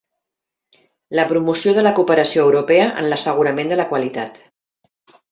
La promoció de la cooperació europea en l'assegurament de la qualitat